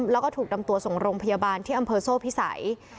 แล้วก็ถูกนำตัวส่งโรงพยาบาลที่อำเภอโซ่พิสัย